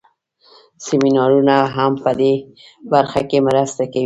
سمینارونه هم په دې برخه کې مرسته کوي.